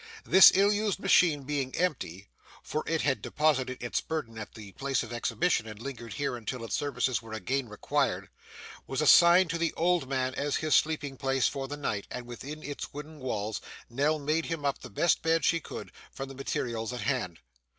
This ill used machine being empty (for it had deposited its burden at the place of exhibition, and lingered here until its services were again required) was assigned to the old man as his sleeping place for the night; and within its wooden walls, Nell made him up the best bed she could, from the materials at hand.